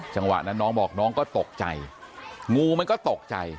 จังหวะนั้นน้องบอกน้องก็ตกใจงูมันก็ตกใจ